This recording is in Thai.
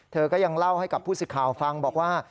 เธอก็ยังเล่าให้กับผู้สิทธิ์ข่าวฟังบอกว่า